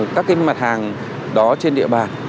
các mặt hàng đó trên địa bàn